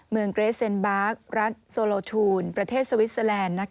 เมืองเกรซเซ็นบาร์กรัฐโซโลทูลประเทศสวิสเซอแลนด์